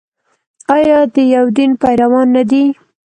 آیا د یو دین پیروان نه دي؟